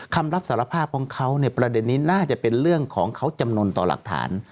คำรับสารภาพของเขาเนี่ยประเด็นนี้น่าจะเป็นเรื่องของเขาจำนวนต่อหลักฐาน